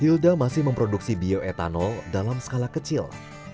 hilda masih memproduksi bioetanol dalam skala kecil